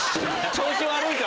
調子悪いぞ！